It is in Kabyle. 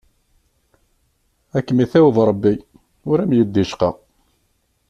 Ad kem-itaweb Ṛebbi, ur am-yeddi ccqa.